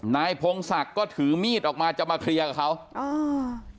นายพงศักดิ์ก็ถือมีดออกมาจะมาเคลียร์กับเขาอ่า